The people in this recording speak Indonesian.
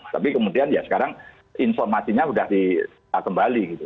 tapi kemudian ya sekarang informasinya sudah kembali gitu